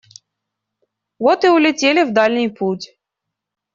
Вот и улетели в дальний путь.